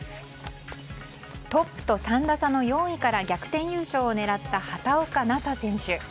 トップと３打差の４位から逆転優勝を狙った畑岡奈紗選手。